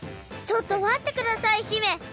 ちょっとまってください姫！